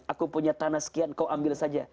aku punya tanah sekian kau ambil saja